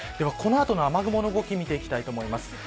この後の雨雲の動きを見ていきたいと思います。